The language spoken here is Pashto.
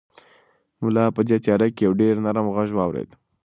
ملا په دې تیاره کې یو ډېر نرم غږ واورېد.